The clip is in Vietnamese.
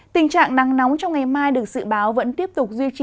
tình trạng nắng nóng trong ngày mai được dự báo vẫn tiếp tục duy trì